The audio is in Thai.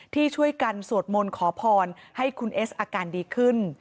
ที่ช่วยกันสวดมนต์ขอพรให้คุณเอสอาการดีขึ้น